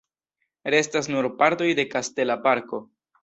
Restas nur partoj de kastela parko.